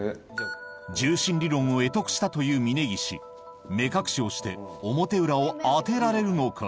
重心理論を会得したという峯岸目隠しをして表裏を当てられるのか？